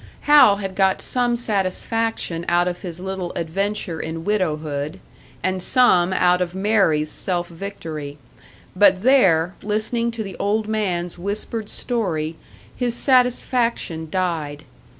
Hal had got some satisfaction out of his little adventure in widowhood, and some out of Mary's self victory; but there, listening to the old man's whispered story, his satisfaction died.